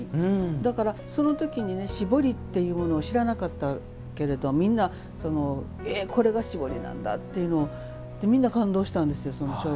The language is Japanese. だからその時に絞りっていうものを知らなかったけれどみんな、え、これが絞りなんだっていうことをみんな感動したんですよ。